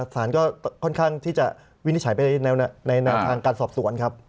สารก็ค่อนข้างที่จะวินิจฉัยไปในแนวทางการสอบสวนครับ